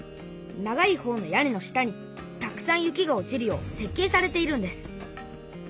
長いほうの屋根の下にたくさん雪が落ちるようせっ計されているんです。